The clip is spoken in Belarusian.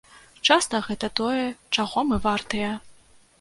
Часта гэта тое, чаго мы вартыя.